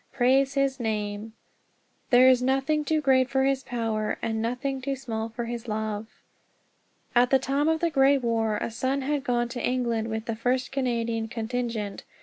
Praise his name! "There is nothing too great for his power, And nothing too small for his love!" At the time of the Great War a son had gone to England with the first Canadian contingent.